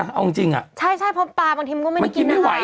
เอาจริงจริงอ่ะใช่ใช่เพราะปลาบางทีมันก็ไม่ได้กินได้มันกินไม่ไหวหรอ